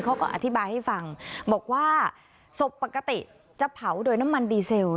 เขาก็อธิบายให้ฟังบอกว่าศพปกติจะเผาโดยน้ำมันดีเซล